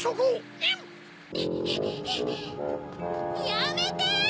やめて！